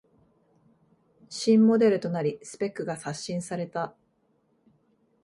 新モデルとなりスペックが刷新された